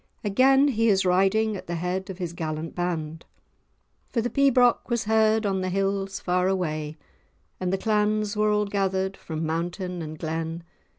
Again he is riding at the head of his gallant band. "For the pibroch was heard on the hills far away, And the clans were all gathered from mountain and glen.